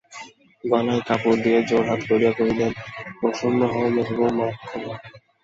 গলায় কাপড় দিয়া জোড়হাত করিয়া কহিলেন, প্রসন্ন হও মেজোবউ, মাপ করো।